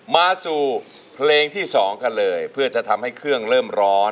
มาสู่เพลงที่๒กันเลยเพื่อจะทำให้เครื่องเริ่มร้อน